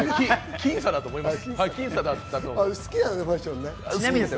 僅差だと思います。